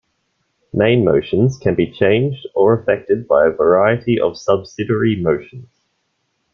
Main motions can be changed or affected by a variety of subsidiary motions.